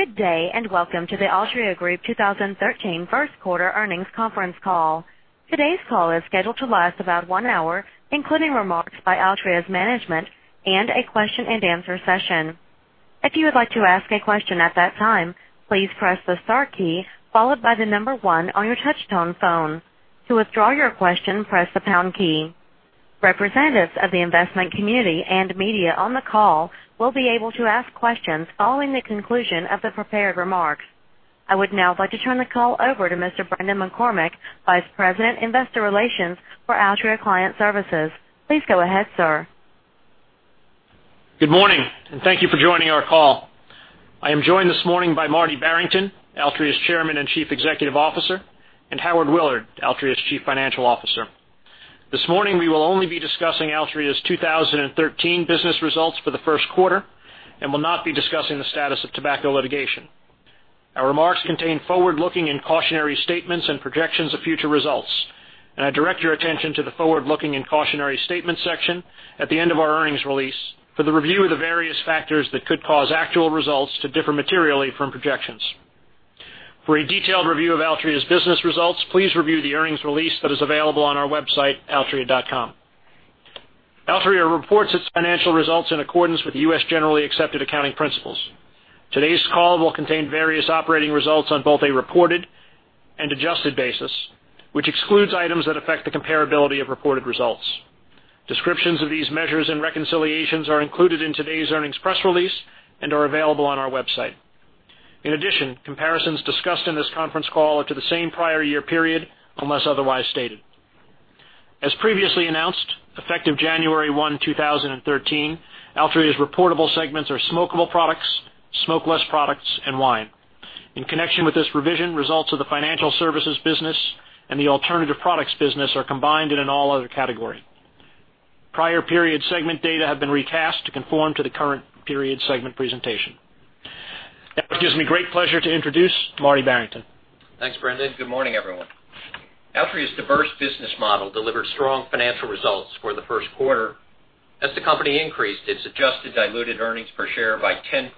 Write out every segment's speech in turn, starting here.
Good day, and welcome to the Altria Group 2013 first quarter earnings conference call. Today's call is scheduled to last about one hour, including remarks by Altria's management and a question and answer session. If you would like to ask a question at that time, please press the star key, followed by the number 1 on your touch-tone phone. To withdraw your question, press the pound key. Representatives of the investment community and media on the call will be able to ask questions following the conclusion of the prepared remarks. I would now like to turn the call over to Mr. Brendan McCormick, Vice President, Investor Relations for Altria Client Services. Please go ahead, sir. Good morning. Thank you for joining our call. I am joined this morning by Martin Barrington, Altria's Chairman and Chief Executive Officer, and Howard Willard, Altria's Chief Financial Officer. This morning, we will only be discussing Altria's 2013 business results for the first quarter and will not be discussing the status of tobacco litigation. Our remarks contain forward-looking and cautionary statements and projections of future results. I direct your attention to the forward-looking and cautionary statements section at the end of our earnings release for the review of the various factors that could cause actual results to differ materially from projections. For a detailed review of Altria's business results, please review the earnings release that is available on our website, altria.com. Altria reports its financial results in accordance with U.S. generally accepted accounting principles. Today's call will contain various operating results on both a reported and adjusted basis, which excludes items that affect the comparability of reported results. Descriptions of these measures and reconciliations are included in today's earnings press release and are available on our website. In addition, comparisons discussed in this conference call are to the same prior year period, unless otherwise stated. As previously announced, effective January one, 2013, Altria's reportable segments are smokeable products, smokeless products, and wine. In connection with this revision, results of the financial services business and the alternative products business are combined in an all other category. Prior period segment data have been recast to conform to the current period segment presentation. It gives me great pleasure to introduce Martin Barrington. Thanks, Brendan. Good morning, everyone. Altria's diverse business model delivered strong financial results for the first quarter, as the company increased its adjusted diluted earnings per share by 10.2%.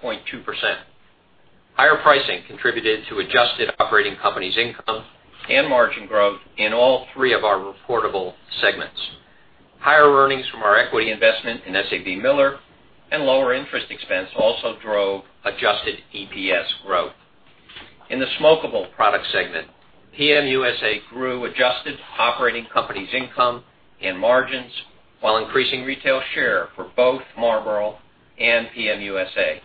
Higher pricing contributed to adjusted operating companies' income and margin growth in all three of our reportable segments. Higher earnings from our equity investment in SABMiller and lower interest expense also drove adjusted EPS growth. In the smokeable product segment, PM USA grew adjusted operating companies' income and margins while increasing retail share for both Marlboro and PM USA.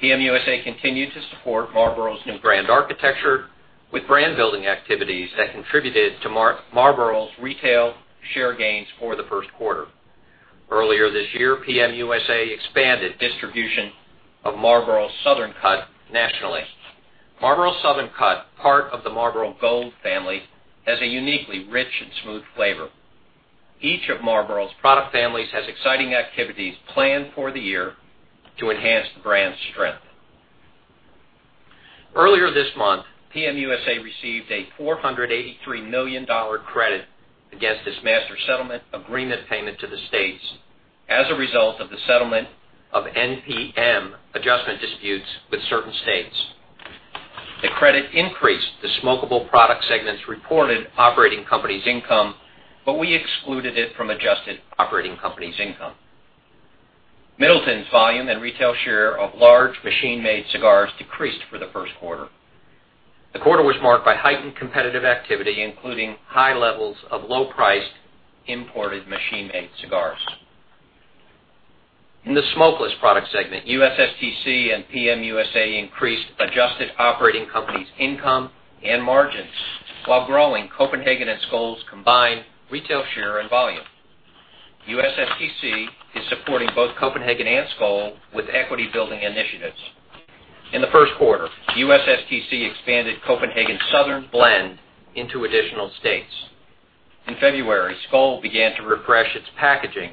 PM USA continued to support Marlboro's new brand architecture with brand-building activities that contributed to Marlboro's retail share gains for the first quarter. Earlier this year, PM USA expanded distribution of Marlboro Southern Cut nationally. Marlboro Southern Cut, part of the Marlboro Gold family, has a uniquely rich and smooth flavor. Each of Marlboro's product families has exciting activities planned for the year to enhance the brand's strength. Earlier this month, PM USA received a $483 million credit against its Master Settlement Agreement payment to the states as a result of the settlement of NPM adjustment disputes with certain states. The credit increased the smokeable product segment's reported operating companies' income. We excluded it from adjusted operating companies' income. Middleton's volume and retail share of large machine-made cigars decreased for the first quarter. The quarter was marked by heightened competitive activity, including high levels of low-priced imported machine-made cigars. In the smokeless product segment, USSTC and PM USA increased adjusted operating companies' income and margins while growing Copenhagen and Skoal's combined retail share and volume. USSTC is supporting both Copenhagen and Skoal with equity-building initiatives. In the first quarter, USSTC expanded Copenhagen Southern Blend into additional states. In February, Skoal began to refresh its packaging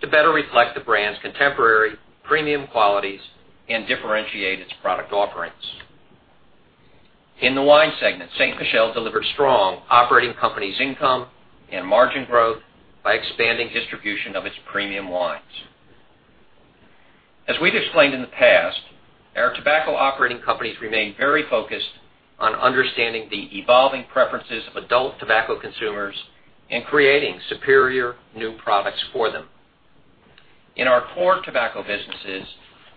to better reflect the brand's contemporary premium qualities and differentiate its product offerings. In the wine segment, Ste. Michelle delivered strong operating companies' income and margin growth by expanding distribution of its premium wines. As we've explained in the past, our tobacco operating companies remain very focused on understanding the evolving preferences of adult tobacco consumers and creating superior new products for them. In our core tobacco businesses,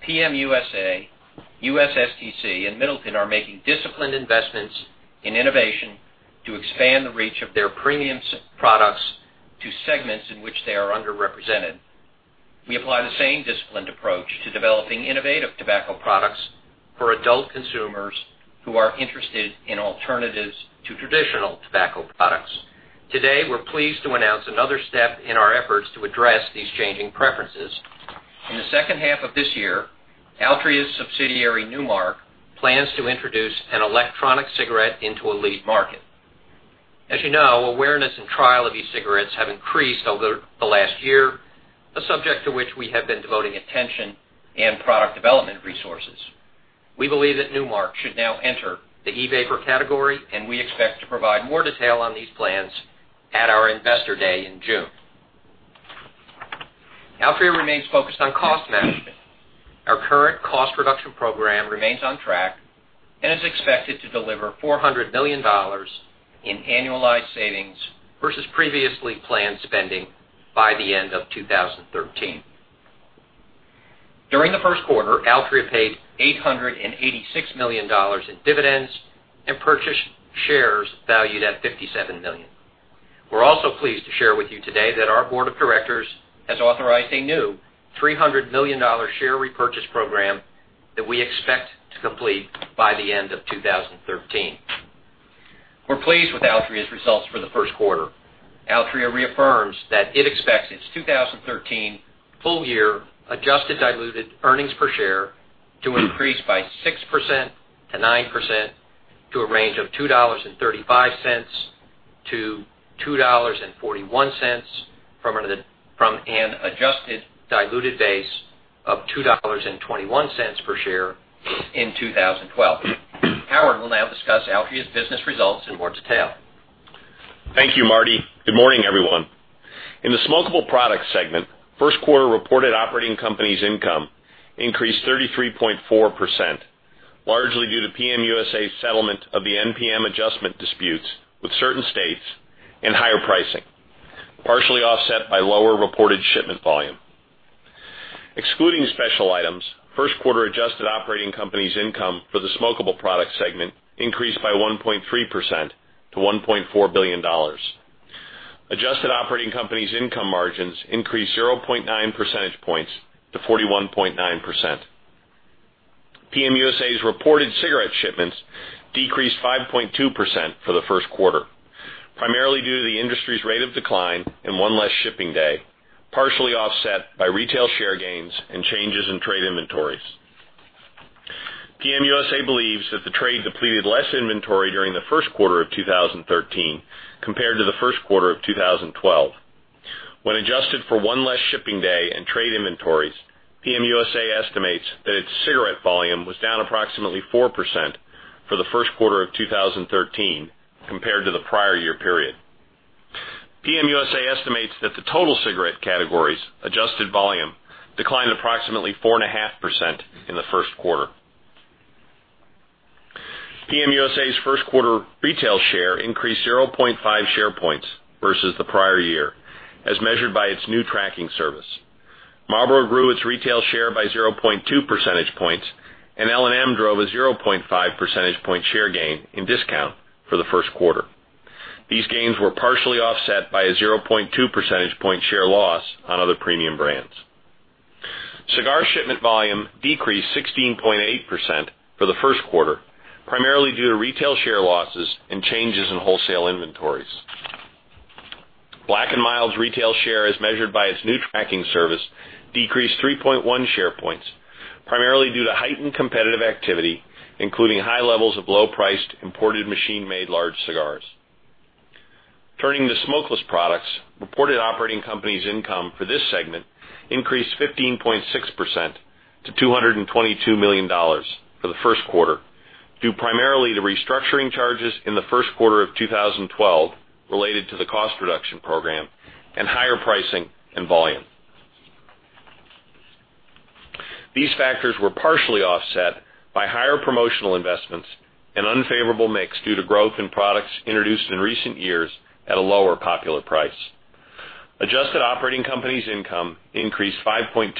PM USA, USSTC, and Middleton are making disciplined investments in innovation to expand the reach of their premium products to segments in which they are underrepresented. We apply the same disciplined approach to developing innovative tobacco products for adult consumers who are interested in alternatives to traditional tobacco products. Today, we're pleased to announce another step in our efforts to address these changing preferences. In the second half of this year, Altria's subsidiary Nu Mark plans to introduce an electronic cigarette into a lead market. As you know, awareness and trial of e-cigarettes have increased over the last year, a subject to which we have been devoting attention and product development resources. We believe that Nu Mark should now enter the e-vapor category. We expect to provide more detail on these plans at our Investor Day in June. Altria remains focused on cost management. Our current cost reduction program remains on track and is expected to deliver $400 million in annualized savings versus previously planned spending by the end of 2013. During the first quarter, Altria paid $886 million in dividends and purchased shares valued at $57 million. We're also pleased to share with you today that our board of directors has authorized a new $300 million share repurchase program that we expect to complete by the end of 2013. We're pleased with Altria's results for the first quarter. Altria reaffirms that it expects its 2013 full year adjusted diluted earnings per share to increase by 6%-9% to a range of $2.35 to $2.41 from an adjusted diluted base of $2.21 per share in 2012. Howard will now discuss Altria's business results in more detail. Thank you, Marty. Good morning, everyone. In the smokeable products segment, first quarter reported operating companies' income increased 33.4%, largely due to PM USA's settlement of the NPM adjustment disputes with certain states and higher pricing, partially offset by lower reported shipment volume. Excluding special items, first quarter adjusted operating companies' income for the smokeable products segment increased by 1.3% to $1.4 billion. Adjusted operating companies' income margins increased 0.9 percentage points to 41.9%. PM USA's reported cigarette shipments decreased 5.2% for the first quarter, primarily due to the industry's rate of decline and one less shipping day, partially offset by retail share gains and changes in trade inventories. PM USA believes that the trade depleted less inventory during the first quarter of 2013 compared to the first quarter of 2012. When adjusted for one less shipping day and trade inventories, PM USA estimates that its cigarette volume was down approximately 4% for the first quarter of 2013 compared to the prior year period. PM USA estimates that the total cigarette categories adjusted volume declined approximately 4.5% in the first quarter. PM USA's first quarter retail share increased 0.5 share points versus the prior year as measured by its new tracking service. Marlboro grew its retail share by 0.2 percentage points. L&M drove a 0.5 percentage point share gain in discount for the first quarter. These gains were partially offset by a 0.2 percentage point share loss on other premium brands. Cigar shipment volume decreased 16.8% for the first quarter, primarily due to retail share losses and changes in wholesale inventories. Black & Mild's retail share, as measured by its new tracking service, decreased 3.1 share points, primarily due to heightened competitive activity, including high levels of low-priced imported machine-made large cigars. Turning to smokeless products, reported operating companies' income for this segment increased 15.6% to $222 million for the first quarter, due primarily to restructuring charges in the first quarter of 2012 related to the cost reduction program and higher pricing and volume. These factors were partially offset by higher promotional investments and unfavorable mix due to growth in products introduced in recent years at a lower popular price. Adjusted operating companies' income increased 5.2%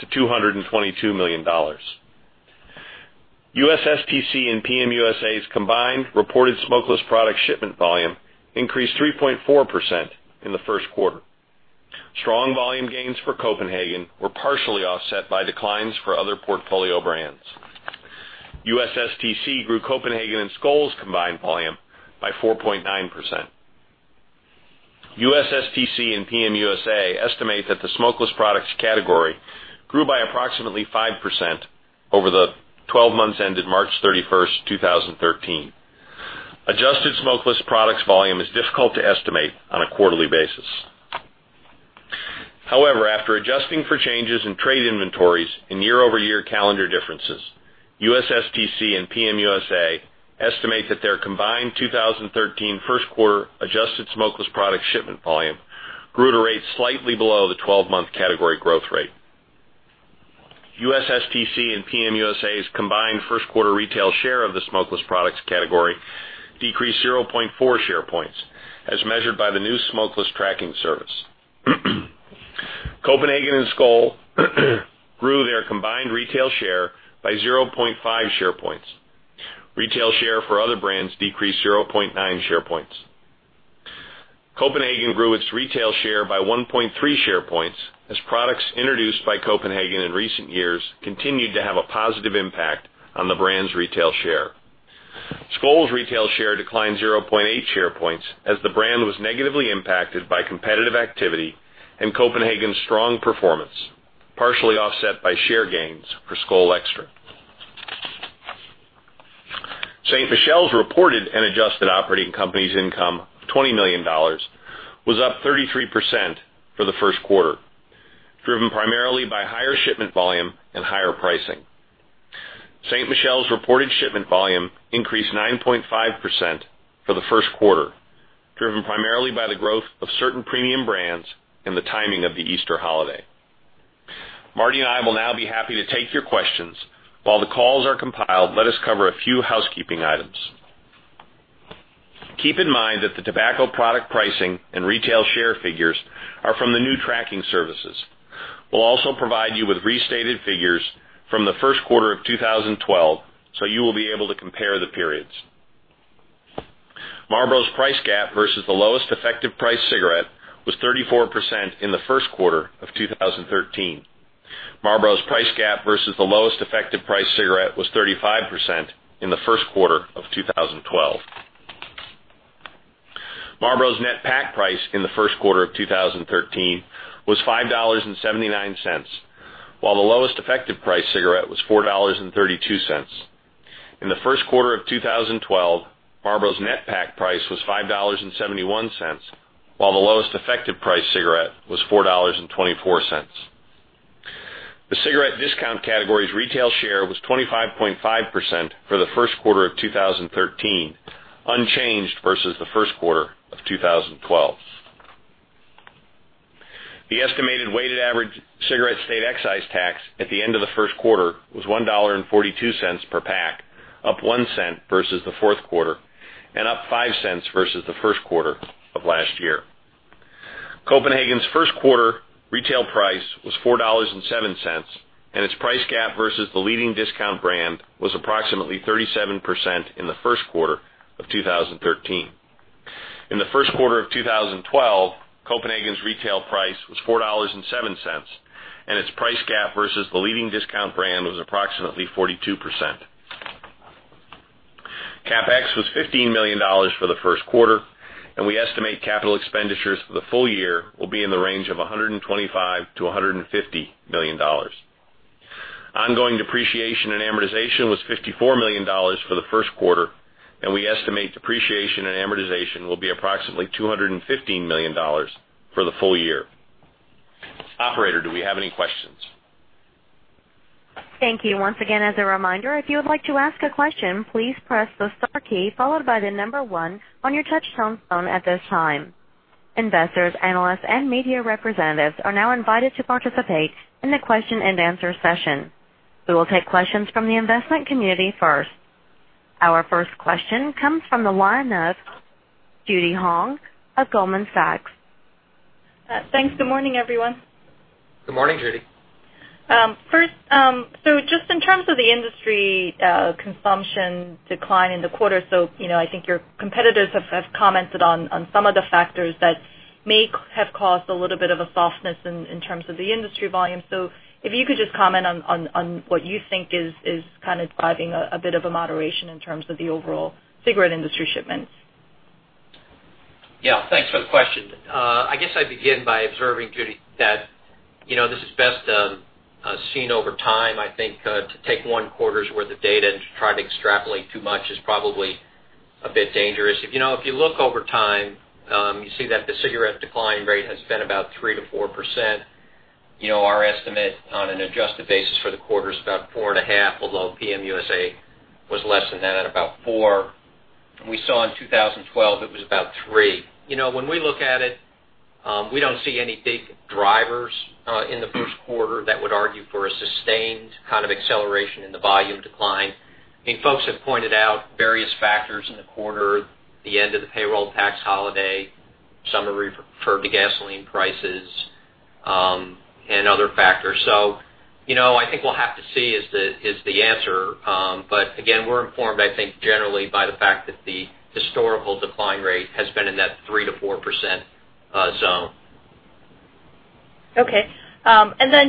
to $222 million. USSTC and PM USA's combined reported smokeless product shipment volume increased 3.4% in the first quarter. Strong volume gains for Copenhagen were partially offset by declines for other portfolio brands. USSTC grew Copenhagen and Skoal's combined volume by 4.9%. USSTC and PM USA estimate that the smokeless products category grew by approximately 5% over the 12 months ended March 31st, 2013. Adjusted smokeless products volume is difficult to estimate on a quarterly basis. However, after adjusting for changes in trade inventories and year-over-year calendar differences, USSTC and PM USA estimate that their combined 2013 first quarter adjusted smokeless product shipment volume grew at a rate slightly below the 12-month category growth rate. USSTC and PM USA's combined first quarter retail share of the smokeless products category decreased 0.4 share points as measured by the new smokeless tracking service. Copenhagen and Skoal grew their combined retail share by 0.5 share points. Retail share for other brands decreased 0.9 share points. Copenhagen grew its retail share by 1.3 share points as products introduced by Copenhagen in recent years continued to have a positive impact on the brand's retail share. Skoal's retail share declined 0.8 share points as the brand was negatively impacted by competitive activity and Copenhagen's strong performance, partially offset by share gains for Skoal Xtra. Ste. Michelle's reported an adjusted operating company's income of $20 million, was up 33% for the first quarter, driven primarily by higher shipment volume and higher pricing. Ste. Michelle's reported shipment volume increased 9.5% for the first quarter, driven primarily by the growth of certain premium brands and the timing of the Easter holiday. Marty and I will now be happy to take your questions. While the calls are compiled, let us cover a few housekeeping items. Keep in mind that the tobacco product pricing and retail share figures are from the new tracking services. We'll also provide you with restated figures from the first quarter of 2012, so you will be able to compare the periods. Marlboro's price gap versus the lowest effective price cigarette was 34% in the first quarter of 2013. Marlboro's price gap versus the lowest effective price cigarette was 35% in the first quarter of 2012. Marlboro's net pack price in the first quarter of 2013 was $5.79, while the lowest effective price cigarette was $4.32. In the first quarter of 2012, Marlboro's net pack price was $5.71, while the lowest effective price cigarette was $4.24. The cigarette discount category's retail share was 25.5% for the first quarter of 2013, unchanged versus the first quarter of 2012. The estimated weighted average cigarette state excise tax at the end of the first quarter was $1.42 per pack, up $0.01 versus the fourth quarter, and up $0.05 versus the first quarter of last year. Copenhagen's first quarter retail price was $4.07, and its price gap versus the leading discount brand was approximately 37% in the first quarter of 2013. In the first quarter of 2012, Copenhagen's retail price was $4.07, and its price gap versus the leading discount brand was approximately 42%. CapEx was $15 million for the first quarter, and we estimate capital expenditures for the full year will be in the range of $125 million-$150 million. Ongoing depreciation and amortization was $54 million for the first quarter, and we estimate depreciation and amortization will be approximately $215 million for the full year. Operator, do we have any questions? Thank you. Once again, as a reminder, if you would like to ask a question, please press the star key followed by the number one on your touchtone phone at this time. Investors, analysts, and media representatives are now invited to participate in the question and answer session. We will take questions from the investment community first. Our first question comes from the line of Judy Hong of Goldman Sachs. Thanks. Good morning, everyone. Good morning, Judy. First, just in terms of the industry consumption decline in the quarter. I think your competitors have commented on some of the factors that may have caused a little bit of a softness in terms of the industry volume. If you could just comment on what you think is driving a bit of a moderation in terms of the overall cigarette industry shipments. Yeah. Thanks for the question. I guess I'd begin by observing, Judy, that this is best seen over time. I think to take one quarter's worth of data and to try to extrapolate too much is probably a bit dangerous. If you look over time, you see that the cigarette decline rate has been about 3%-4%. Our estimate on an adjusted basis for the quarter is about four and a half, although Philip Morris USA was less than that at about four. We saw in 2012, it was about three. When we look at it, we don't see any big drivers in the first quarter that would argue for a sustained kind of acceleration in the volume decline. Folks have pointed out various factors in the quarter, the end of the payroll tax holiday. Some have referred to gasoline prices and other factors. I think we'll have to see is the answer. Again, we're informed, I think, generally by the fact that the historical decline rate has been in that 3%-4% zone.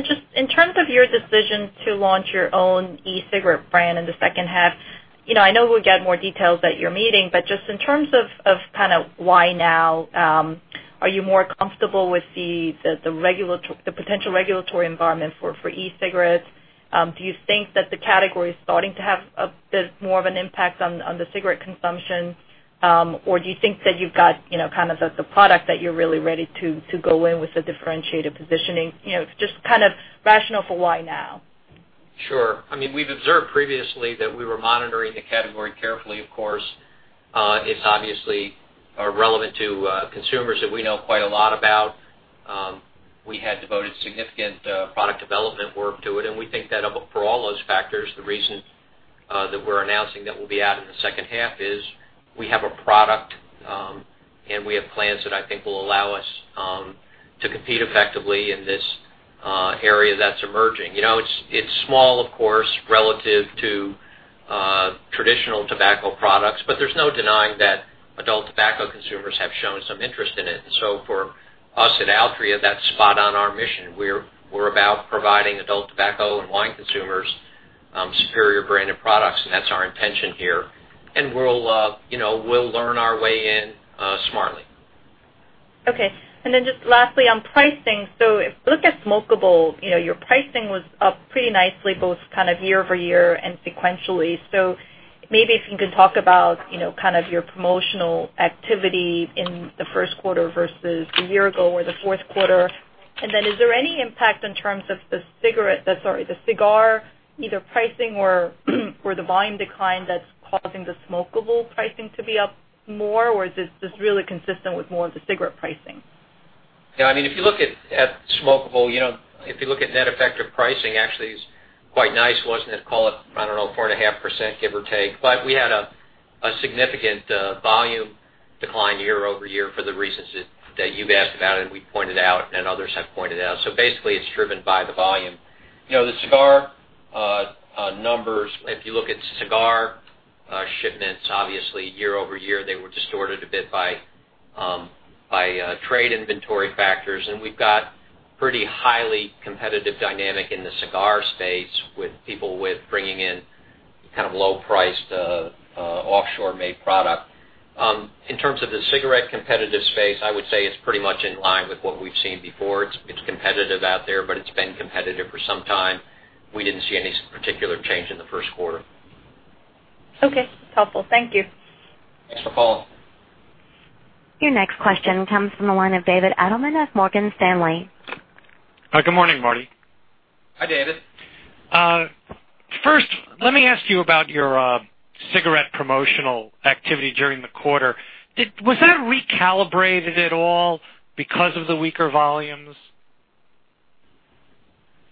Just in terms of your decision to launch your own e-cigarette brand in the second half. I know we'll get more details at your meeting, just in terms of why now. Are you more comfortable with the potential regulatory environment for e-cigarettes? Do you think that the category is starting to have a bit more of an impact on the cigarette consumption? Or do you think that you've got the product that you're really ready to go in with a differentiated positioning? Just rationale for why now. We've observed previously that we were monitoring the category carefully, of course. It's obviously relevant to consumers that we know quite a lot about. We had devoted significant product development work to it, and we think that for all those factors, the reason that we're announcing that we'll be out in the second half is we have a product, and we have plans that I think will allow us to compete effectively in this area that's emerging. It's small, of course, relative to traditional tobacco products, but there's no denying that adult tobacco consumers have shown some interest in it. For us at Altria, that's spot on our mission. We're about providing adult tobacco and wine consumers superior branded products, and that's our intention here. We'll learn our way in smartly. Just lastly on pricing. If you look at smokeable, your pricing was up pretty nicely both year-over-year and sequentially. Maybe if you can talk about your promotional activity in the first quarter versus a year ago or the fourth quarter. Is there any impact in terms of the cigar, either pricing or the volume decline that's causing the smokable pricing to be up more, or is this just really consistent with more of the cigarette pricing? If you look at smokable, if you look at net effective pricing, actually, it's quite nice. Wasn't it, call it, I don't know, 4.5%, give or take. We had a significant volume decline year-over-year for the reasons that you've asked about and we pointed out and others have pointed out. Basically, it's driven by the volume. The cigar numbers, if you look at cigar shipments, obviously year-over-year, they were distorted a bit by trade inventory factors, and we've got pretty highly competitive dynamic in the cigar space with people bringing in low-priced, offshore-made product. In terms of the cigarette competitive space, I would say it's pretty much in line with what we've seen before. It's competitive out there, but it's been competitive for some time. We didn't see any particular change in the first quarter. Okay. It's helpful. Thank you. Thanks for calling. Your next question comes from the line of David Adelman of Morgan Stanley. Hi. Good morning, Marty. Hi, David. First, let me ask you about your cigarette promotional activity during the quarter. Was that recalibrated at all because of the weaker volumes?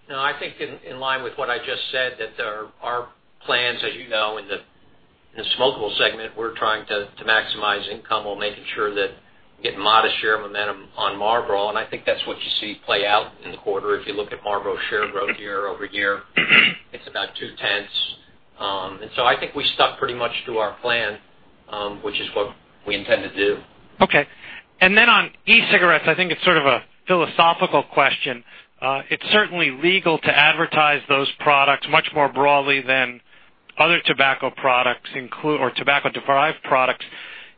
No, I think in line with what I just said, that our plans, as you know, in the smokable segment, we're trying to maximize income while making sure that get modest share momentum on Marlboro, and I think that's what you see play out in the quarter if you look at Marlboro share growth year-over-year, it's about two-tenths. I think we stuck pretty much to our plan, which is what we intend to do. On e-cigarettes, I think it's sort of a philosophical question. It's certainly legal to advertise those products much more broadly than other tobacco products, or tobacco-derived products,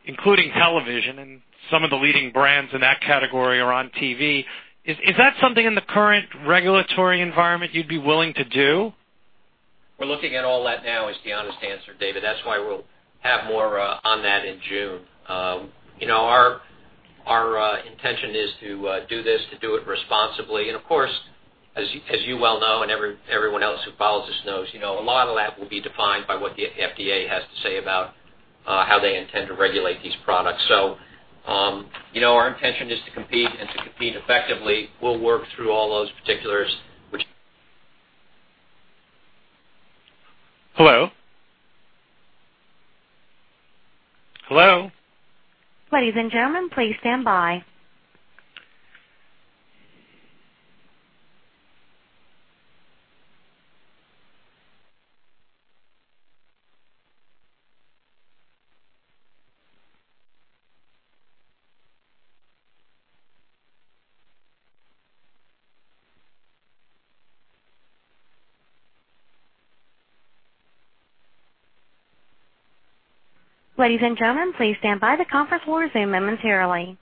including television, and some of the leading brands in that category are on TV. Is that something in the current regulatory environment you'd be willing to do? We're looking at all that now, is the honest answer, David. That's why we'll have more on that in June. Our intention is to do this, to do it responsibly. Of course, as you well know, and everyone else who follows us knows, a lot of that will be defined by what the FDA has to say about how they intend to regulate these products. Our intention is to compete and to compete effectively. We'll work through all those particulars which Hello? Ladies and gentlemen, please stand by. Ladies and gentlemen, please stand by. The conference will resume momentarily.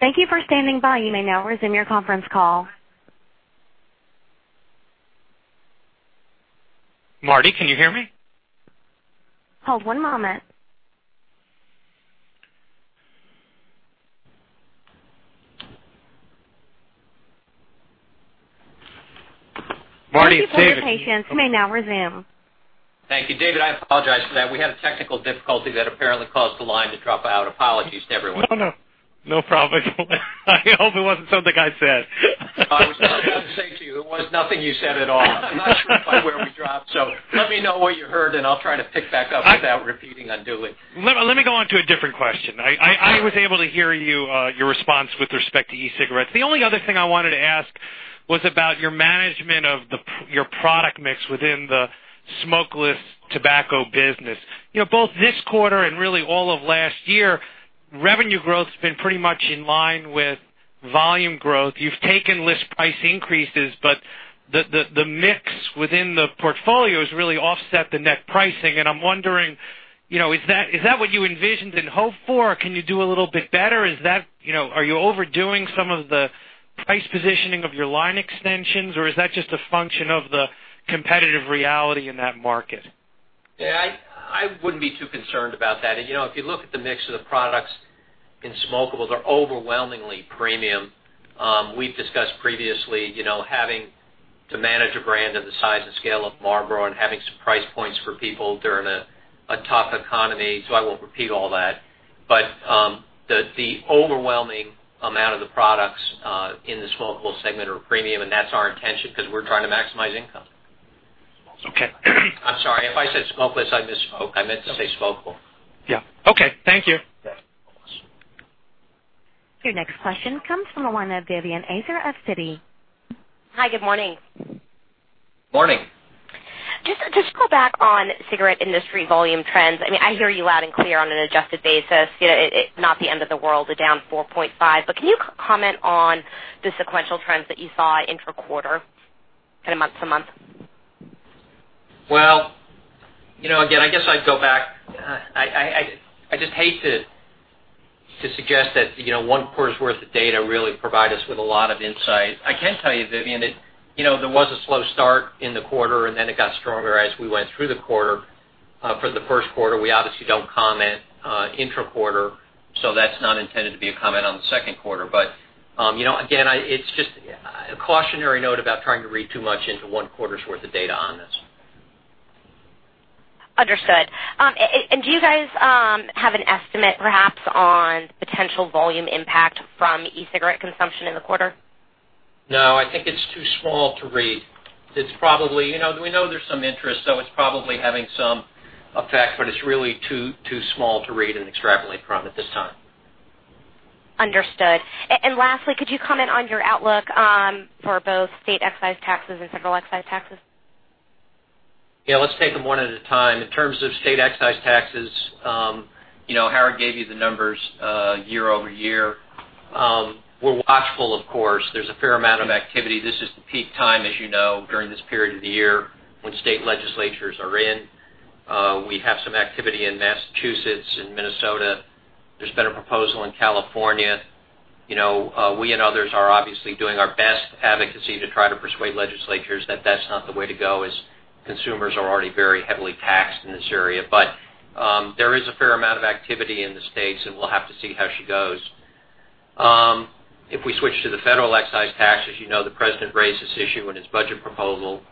Thank you for standing by. You may now resume your conference call. Marty, can you hear me? Hold one moment. Marty, it's David. Can you- Thank you for your patience. You may now resume. Thank you, David. I apologize for that. We had a technical difficulty that apparently caused the line to drop out. Apologies to everyone. No, no. No problem. I hope it wasn't something I said. I was about to say to you, it was nothing you said at all. I'm not sure quite where we dropped. Let me know what you heard, and I'll try to pick back up without repeating unduly. Let me go on to a different question. I was able to hear your response with respect to e-cigarettes. The only other thing I wanted to ask was about your management of your product mix within the smokeless tobacco business. Both this quarter and really all of last year, revenue growth's been pretty much in line with volume growth. You've taken list price increases, but the mix within the portfolio has really offset the net pricing. I'm wondering, is that what you envisioned and hoped for? Can you do a little bit better? Are you overdoing some of the price positioning of your line extensions, or is that just a function of the competitive reality in that market? Yeah, I wouldn't be too concerned about that. If you look at the mix of the products in smokables, they're overwhelmingly premium. We've discussed previously, having to manage a brand of the size and scale of Marlboro and having some price points for people during a tough economy, so I won't repeat all that. But the overwhelming amount of the products in the smokable segment are premium, and that's our intention because we're trying to maximize income. Okay. I'm sorry. If I said smokeless, I misspoke. I meant to say smokable. Yeah. Okay, thank you. Yeah. Your next question comes from the line of Vivien Azer of Citi. Hi, good morning. Morning. Just to go back on cigarette industry volume trends. I hear you loud and clear on an adjusted basis. It's not the end of the world, they're down 4.5%. Can you comment on the sequential trends that you saw intra-quarter, kind of month to month? Well, again, I guess I'd go back. I just hate to suggest that one quarter's worth of data really provide us with a lot of insight. I can tell you, Vivien, that there was a slow start in the quarter, and then it got stronger as we went through the quarter. For the first quarter, we obviously don't comment intra-quarter, so that's not intended to be a comment on the second quarter. Again, it's just a cautionary note about trying to read too much into one quarter's worth of data on this. Understood. Do you guys have an estimate, perhaps, on potential volume impact from e-cigarette consumption in the quarter? No, I think it's too small to read. We know there's some interest, so it's probably having some effect, but it's really too small to read and extrapolate from at this time. Understood. Lastly, could you comment on your outlook for both state excise taxes and federal excise taxes? Let's take them one at a time. In terms of state excise taxes, Howard gave you the numbers year-over-year. We're watchful, of course. There's a fair amount of activity. This is the peak time, as you know, during this period of the year when state legislatures are in. We have some activity in Massachusetts and Minnesota. There's been a proposal in California. We and others are obviously doing our best advocacy to try to persuade legislatures that that's not the way to go, as consumers are already very heavily taxed in this area. There is a fair amount of activity in the states, and we'll have to see how she goes. If we switch to the federal excise tax, as you know, the president raised this issue in his budget proposal.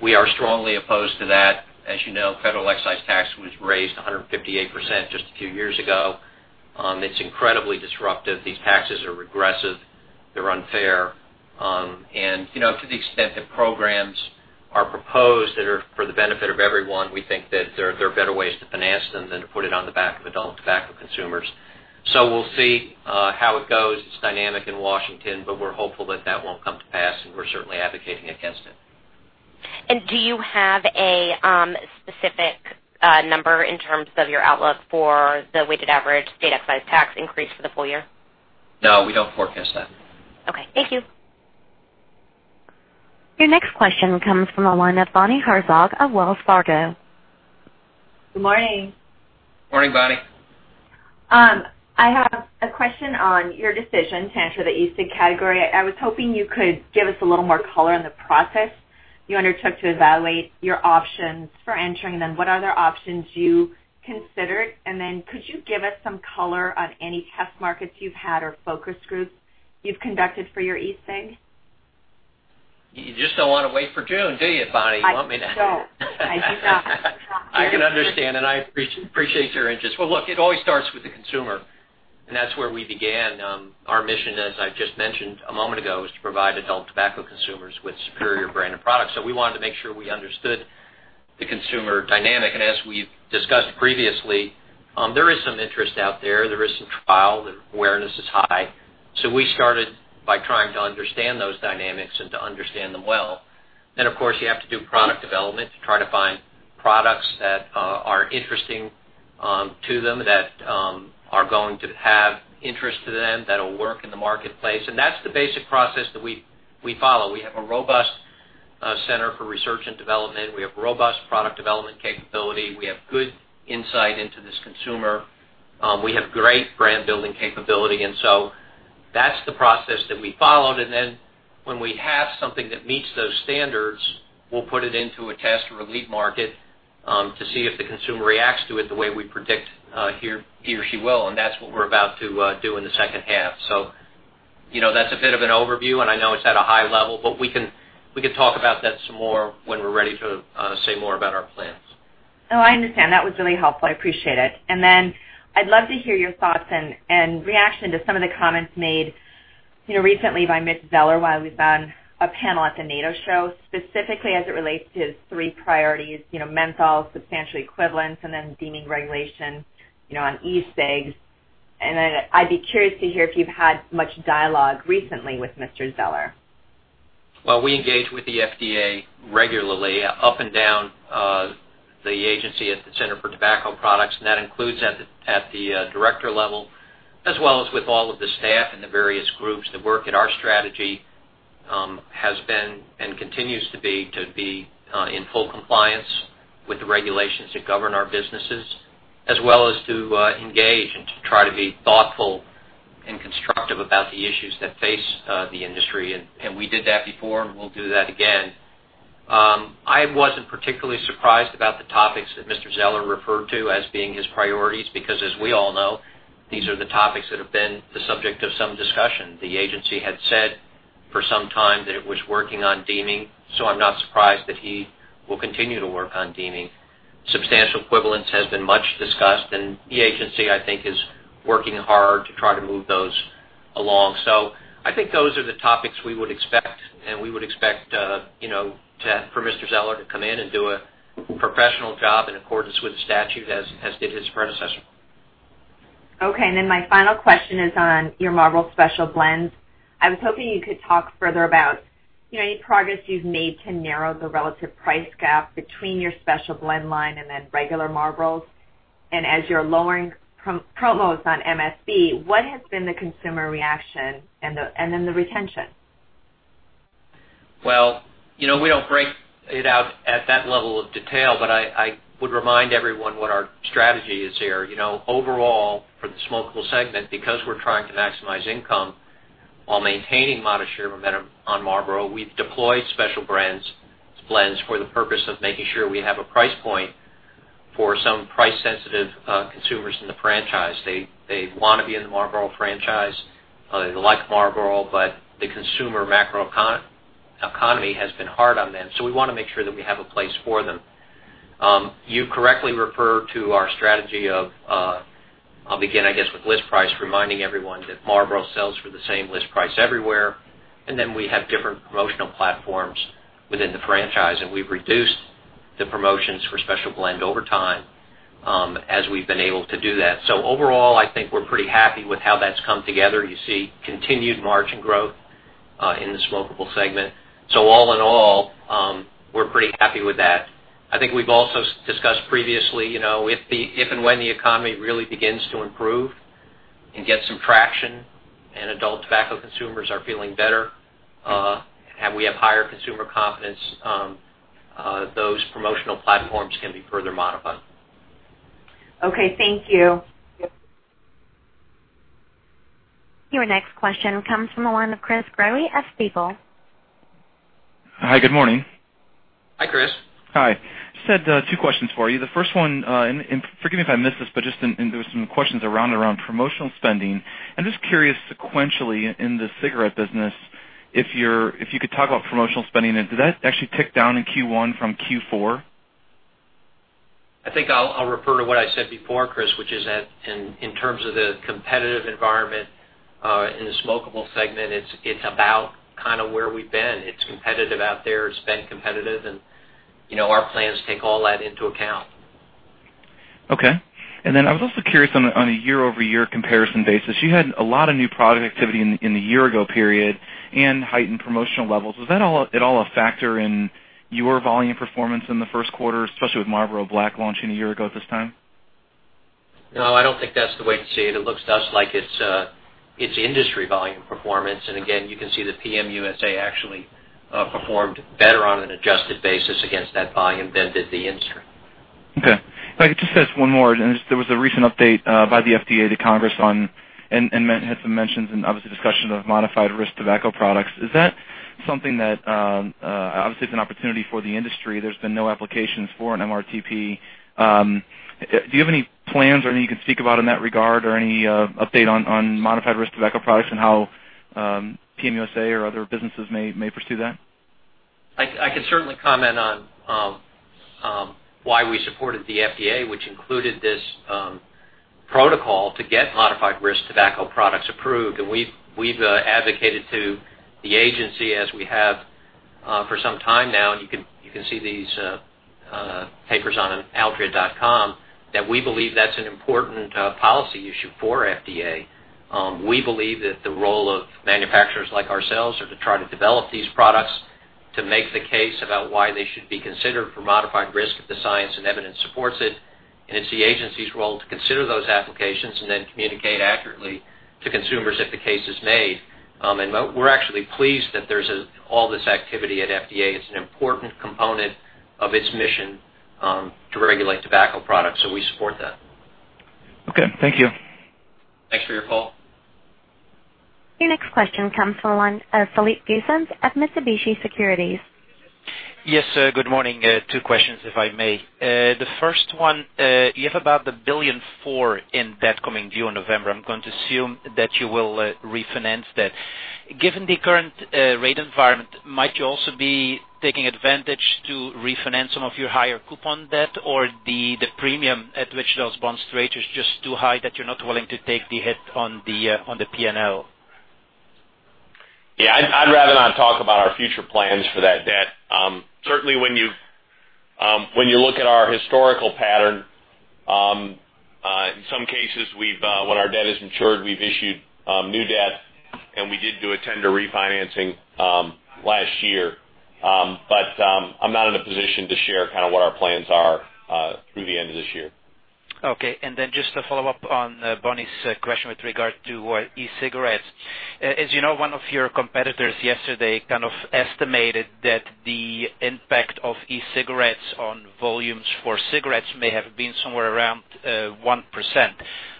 We are strongly opposed to that. As you know, federal excise tax was raised 158% just a few years ago. It's incredibly disruptive. These taxes are regressive. They're unfair. To the extent that programs are proposed that are for the benefit of everyone, we think that there are better ways to finance them than to put it on the back of adult tobacco consumers. We'll see how it goes. It's dynamic in Washington, but we're hopeful that that won't come to pass, and we're certainly advocating against it. do you have a specific number in terms of your outlook for the weighted average state excise tax increase for the full year? No, we don't forecast that. Okay. Thank you. Your next question comes from the line of Bonnie Herzog of Wells Fargo. Good morning. Morning, Bonnie. I have a question on your decision to enter the e-cig category. I was hoping you could give us a little more color on the process you undertook to evaluate your options for entering them. What other options you considered, and then could you give us some color on any test markets you've had or focus groups you've conducted for your e-cig? You just don't want to wait for June, do you, Bonnie? I don't. I do not. I appreciate your interest. Look, it always starts with the consumer, and that's where we began. Our mission, as I just mentioned a moment ago, is to provide adult tobacco consumers with superior brand and products. We wanted to make sure we understood the consumer dynamic. As we've discussed previously, there is some interest out there. There is some trial. The awareness is high. We started by trying to understand those dynamics and to understand them well. Of course, you have to do product development to try to find products that are interesting to them, that are going to have interest to them, that'll work in the marketplace. That's the basic process that we follow. We have a robust center for research and development. We have robust product development capability. We have good insight into this consumer. We have great brand building capability. That's the process that we followed, and when we have something that meets those standards, we'll put it into a test or a lead market to see if the consumer reacts to it the way we predict he or she will. That's what we're about to do in the second half. That's a bit of an overview, and I know it's at a high level, but we can talk about that some more when we're ready to say more about our plans. No, I understand. That was really helpful. I appreciate it. I'd love to hear your thoughts and reaction to some of the comments made recently by Mitch Zeller while he was on a panel at the NATO show, specifically as it relates to his three priorities: menthols, substantial equivalents, and deeming regulation on e-cigs. I'd be curious to hear if you've had much dialogue recently with Mr. Zeller. Well, we engage with the FDA regularly up and down the agency at the Center for Tobacco Products, and that includes at the director level as well as with all of the staff and the various groups that work. Our strategy has been and continues to be in full compliance with the regulations that govern our businesses, as well as to engage and to try to be thoughtful and constructive about the issues that face the industry. We did that before, and we'll do that again. I wasn't particularly surprised about the topics that Mr. Zeller referred to as being his priorities, because as we all know, these are the topics that have been the subject of some discussion. The agency had said for some time that it was working on deeming, I'm not surprised that he will continue to work on deeming. Substantial equivalence has been much discussed, the agency, I think, is working hard to try to move those along. I think those are the topics we would expect, and we would expect for Mr. Zeller to come in and do a professional job in accordance with the statute, as did his predecessor. Okay. My final question is on your Marlboro Special Blend. I was hoping you could talk further about any progress you've made to narrow the relative price gap between your Special Blend line and then regular Marlboros. As you're lowering promos on MST, what has been the consumer reaction and then the retention? Well, we don't break it out at that level of detail, but I would remind everyone what our strategy is here. Overall, for the smokeable segment, because we're trying to maximize income while maintaining modest share momentum on Marlboro, we've deployed Special Blends for the purpose of making sure we have a price point for some price sensitive consumers in the franchise. They want to be in the Marlboro franchise, they like Marlboro, but the consumer macro economy has been hard on them. We want to make sure that we have a place for them. You correctly refer to our strategy of, I'll begin, I guess, with list price, reminding everyone that Marlboro sells for the same list price everywhere. We have different promotional platforms within the franchise, and we've reduced the promotions for Special Blend over time as we've been able to do that. Overall, I think we're pretty happy with how that's come together. You see continued margin growth in the smokeable segment. All in all, we're pretty happy with that. I think we've also discussed previously, if and when the economy really begins to improve and get some traction and adult tobacco consumers are feeling better, and we have higher consumer confidence, those promotional platforms can be further modified. Okay, thank you. Your next question comes from the line of Chris Growe of Stifel. Hi, good morning. Hi, Chris. Hi. [Martin], two questions for you. The first one, forgive me if I missed this, just there were some questions around promotional spending. I'm just curious sequentially in the cigarette business, if you could talk about promotional spending, did that actually tick down in Q1 from Q4? I think I'll refer to what I said before, Chris, which is that in terms of the competitive environment in the smokeable segment, it's about kind of where we've been. It's competitive out there. It's been competitive, our plans take all that into account. Okay. Then I was also curious on a year-over-year comparison basis, you had a lot of new product activity in the year ago period and heightened promotional levels. Was that at all a factor in your volume performance in the first quarter, especially with Marlboro Black launching a year ago at this time? No, I don't think that's the way to see it. It looks to us like it's industry volume performance. Again, you can see that PM USA actually performed better on an adjusted basis against that volume than did the insert. Okay. If I could just ask one more. There was a recent update by the FDA to Congress and had some mentions and obviously discussion of modified risk tobacco products. Is that something that, obviously it's an opportunity for the industry. There's been no applications for an MRTP. Do you have any plans or anything you can speak about in that regard or any update on modified risk tobacco products and how PM USA or other businesses may pursue that? I can certainly comment on why we supported the FDA, which included this protocol to get modified risk tobacco products approved. We've advocated to the agency as we have for some time now, and you can see these papers on altria.com, that we believe that's an important policy issue for FDA. We believe that the role of manufacturers like ourselves are to try to develop these products to make the case about why they should be considered for modified risk if the science and evidence supports it. It's the agency's role to consider those applications and then communicate accurately to consumers if the case is made. We're actually pleased that there's all this activity at FDA. It's an important component of its mission to regulate tobacco products, so we support that. Okay, thank you. Thanks for your call. Your next question comes from the line of Philippe Doossens of Mitsubishi Securities. Yes, good morning. Two questions, if I may. The first one, you have about $1.4 billion in debt coming due on November. I'm going to assume that you will refinance that. Given the current rate environment, might you also be taking advantage to refinance some of your higher coupon debt or the premium at which those bonds rate is just too high that you're not willing to take the hit on the P&L? Yeah, I'd rather not talk about our future plans for that debt. Certainly, when you look at our historical pattern, in some cases, when our debt is insured, we've issued new debt, and we did do a tender refinancing last year. I'm not in a position to share kind of what our plans are through the end of this year. Okay. Just to follow up on Bonnie's question with regard to e-cigarettes. As you know, one of your competitors yesterday kind of estimated that the impact of e-cigarettes on volumes for cigarettes may have been somewhere around 1%.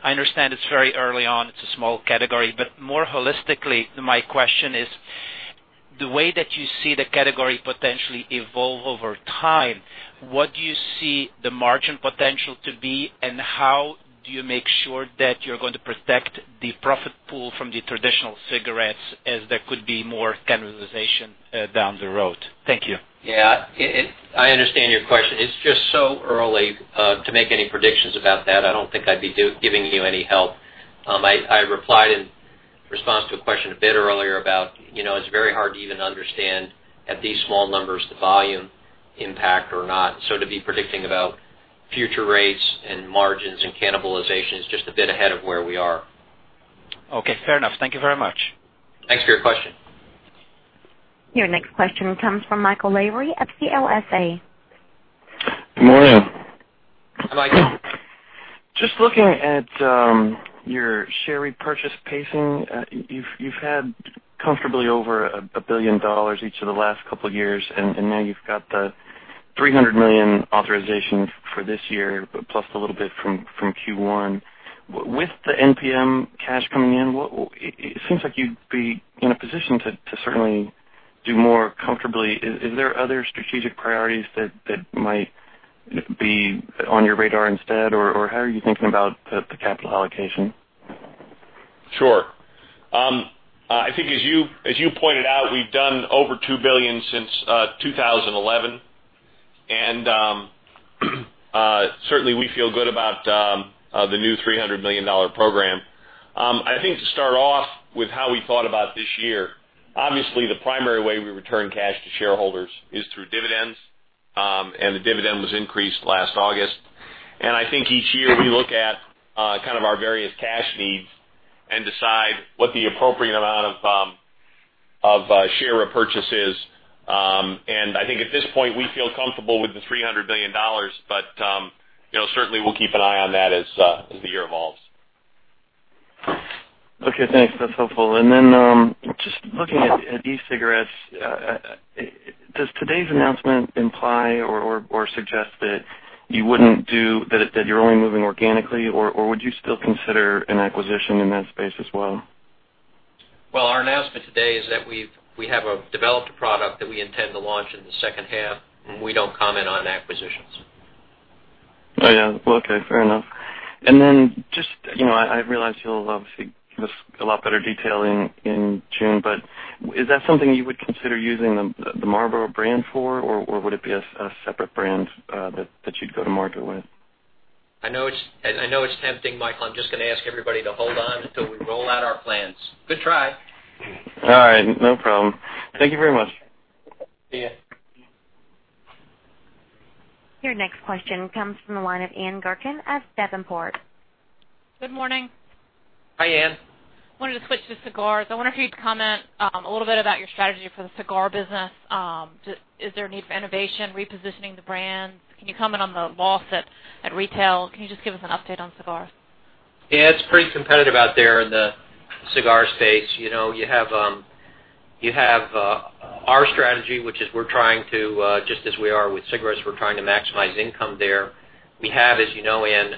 I understand it's very early on, it's a small category, but more holistically, my question is, the way that you see the category potentially evolve over time, what do you see the margin potential to be, and how do you make sure that you're going to protect the profit pool from the traditional cigarettes as there could be more cannibalization down the road? Thank you. Yeah. I understand your question. It's just so early to make any predictions about that. I don't think I'd be giving you any help. I replied in response to a question a bit earlier about, it's very hard to even understand at these small numbers, the volume impact or not. To be predicting about future rates and margins and cannibalization is just a bit ahead of where we are. Okay. Fair enough. Thank you very much. Thanks for your question. Your next question comes from Michael Lavery at CLSA. Good morning. Hi, Michael. Just looking at your share repurchase pacing, you've had comfortably over a billion dollars each of the last couple of years, and now you've got the $300 million authorization for this year, plus a little bit from Q1. With the NPM cash coming in, it seems like you'd be in a position to certainly do more comfortably. Is there other strategic priorities that might be on your radar instead, or how are you thinking about the capital allocation? Sure. I think as you pointed out, we've done over $2 billion since 2011, and certainly we feel good about the new $300 million program. I think to start off with how we thought about this year. Obviously, the primary way we return cash to shareholders is through dividends, and the dividend was increased last August. I think each year we look at kind of our various cash needs and decide what the appropriate amount of share repurchase is. I think at this point, we feel comfortable with the $300 million, but certainly, we'll keep an eye on that as the year evolves. Okay, thanks. That's helpful. Just looking at e-cigarettes, does today's announcement imply or suggest that you're only moving organically, or would you still consider an acquisition in that space as well? Our announcement today is that we have developed a product that we intend to launch in the second half, and we don't comment on acquisitions. Yeah. Okay. Fair enough. Just, I realize you'll obviously give us a lot better detail in June, but is that something you would consider using the Marlboro brand for, or would it be a separate brand that you'd go to market with? I know it's tempting, Michael. I'm just going to ask everybody to hold on until we roll out our plans. Good try. All right. No problem. Thank you very much. See you. Your next question comes from the line of Ann Gurkin at Davenport. Good morning. Hi, Ann. Wanted to switch to cigars. I wonder if you'd comment a little bit about your strategy for the cigar business. Is there a need for innovation, repositioning the brands? Can you comment on the loss at retail? Can you just give us an update on cigars? Yeah, it's pretty competitive out there in the cigar space. You have our strategy, which is we're trying to, just as we are with cigarettes, we're trying to maximize income there. We have, as you know, Ann,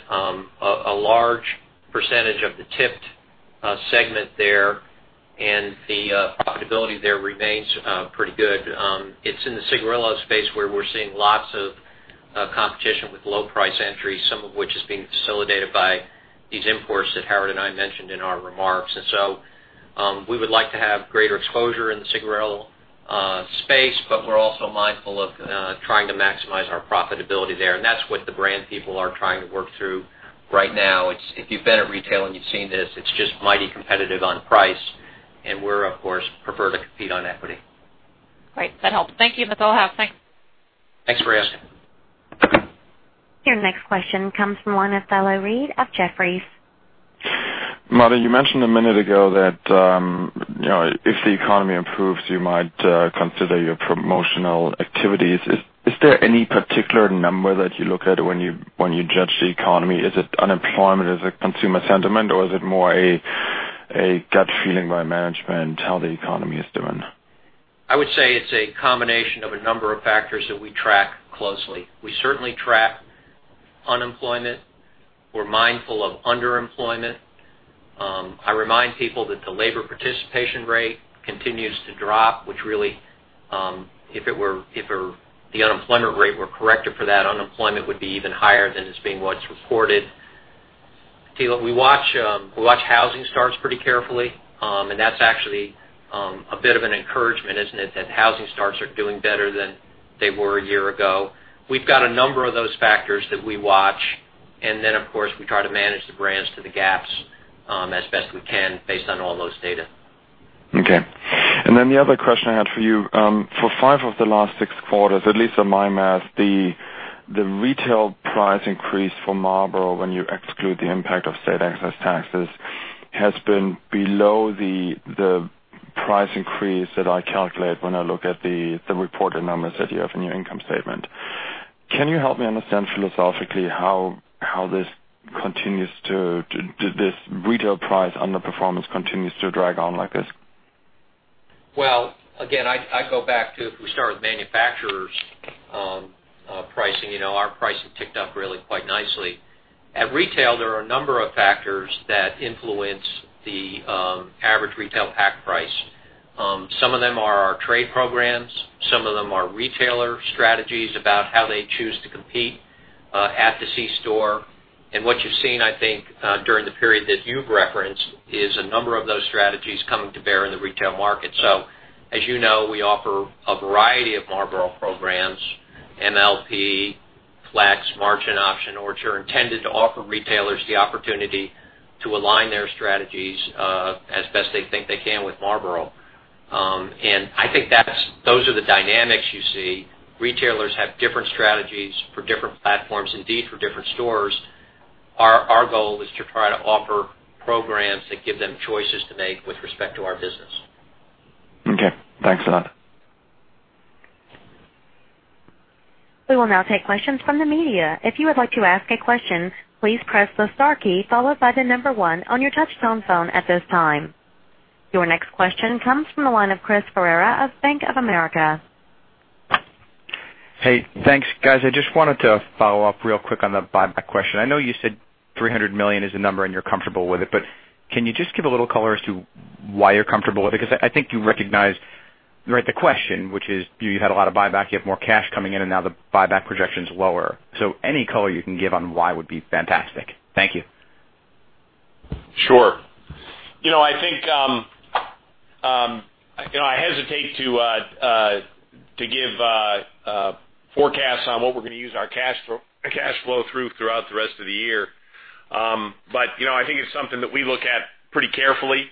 a large percentage of the tipped segment there, and the profitability there remains pretty good. It's in the cigarillo space where we're seeing lots of competition with low price entries, some of which is being facilitated by these imports that Howard and I mentioned in our remarks. We would like to have greater exposure in the cigarillo space, but we're also mindful of trying to maximize our profitability there, and that's what the brand people are trying to work through right now. If you've been at retail and you've seen this, it's just mighty competitive on price, and we, of course, prefer to compete on equity. Great. That helps. Thank you, Martin Barrington. Thanks. Thanks for asking. Your next question comes from the line of Thilo Wrede of Jefferies. Martin, you mentioned a minute ago that if the economy improves, you might consider your promotional activities. Is there any particular number that you look at when you judge the economy? Is it unemployment? Is it consumer sentiment, or is it more a gut feeling by management how the economy is doing? I would say it's a combination of a number of factors that we track closely. We certainly track unemployment. We're mindful of underemployment. I remind people that the labor participation rate continues to drop, which really, if the unemployment rate were corrected for that, unemployment would be even higher than is being what's reported. Thilo, we watch housing starts pretty carefully, and that's actually a bit of an encouragement, isn't it, that housing starts are doing better than they were a year ago. Of course, we try to manage the brands to the gaps as best we can based on all those data. Okay. The other question I had for you. For five of the last six quarters, at least in my math, the retail price increase for Marlboro, when you exclude the impact of state excise taxes, has been below the price increase that I calculate when I look at the reported numbers that you have in your income statement. Can you help me understand philosophically how this retail price underperformance continues to drag on like this? Well, again, I go back to if we start with manufacturers' pricing, our pricing ticked up really quite nicely. At retail, there are a number of factors that influence the average retail pack price. Some of them are our trade programs. Some of them are retailer strategies about how they choose to compete at the C store. What you've seen, I think, during the period that you've referenced, is a number of those strategies coming to bear in the retail market. As you know, we offer a variety of Marlboro programs, MLP, Flex, Margin Option, which are intended to offer retailers the opportunity to align their strategies, as best they think they can with Marlboro. I think those are the dynamics you see. Retailers have different strategies for different platforms, indeed, for different stores. Our goal is to try to offer programs that give them choices to make with respect to our business. Okay. Thanks a lot. We will now take questions from the media. If you would like to ask a question, please press the star key followed by the number 1 on your touch-tone phone at this time. Your next question comes from the line of Chris Ferrara of Bank of America. Hey, thanks. Guys, I just wanted to follow up real quick on the buyback question. I know you said $300 million is the number and you're comfortable with it, can you just give a little color as to why you're comfortable with it? I think you recognize the question, which is you had a lot of buyback, you have more cash coming in, and now the buyback projection's lower. Any color you can give on why would be fantastic. Thank you. Sure. I hesitate to give forecasts on what we're going to use our cash flow through throughout the rest of the year. I think it's something that we look at pretty carefully.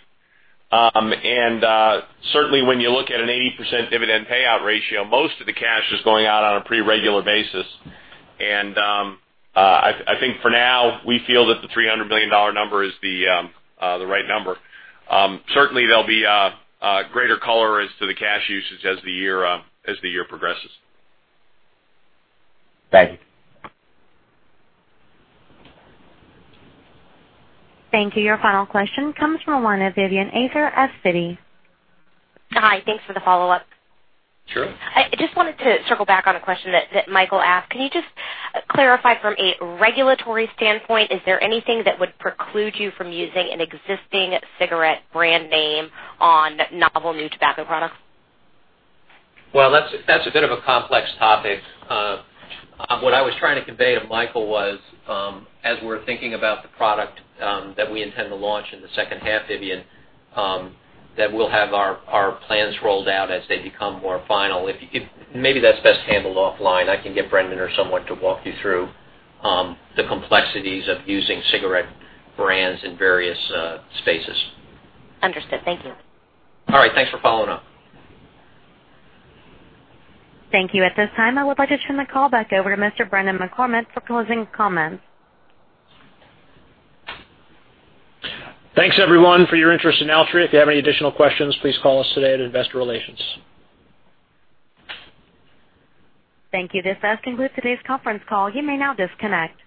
Certainly, when you look at an 80% dividend payout ratio, most of the cash is going out on a pretty regular basis. I think for now, we feel that the $300 million number is the right number. Certainly, there'll be greater color as to the cash usage as the year progresses. Thank you. Thank you. Your final question comes from the line of Vivien Azer at Citi. Hi. Thanks for the follow-up. Sure. I just wanted to circle back on a question that Michael asked. Can you just clarify from a regulatory standpoint, is there anything that would preclude you from using an existing cigarette brand name on novel new tobacco products? That's a bit of a complex topic. What I was trying to convey to Michael was, as we're thinking about the product that we intend to launch in the second half, Vivien, that we'll have our plans rolled out as they become more final. Maybe that's best handled offline. I can get Brendan or someone to walk you through the complexities of using cigarette brands in various spaces. Understood. Thank you. All right. Thanks for following up. Thank you. At this time, I would like to turn the call back over to Mr. Brendan McCormick for closing comments. Thanks, everyone, for your interest in Altria. If you have any additional questions, please call us today at Investor Relations. Thank you. This does conclude today's conference call. You may now disconnect.